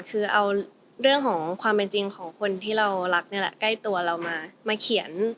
คือเอาเรื่องของความเป็นจริงของคนที่เรารักนี่แหละใกล้ตัวเรามาเขียน